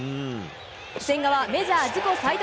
千賀はメジャー自己最多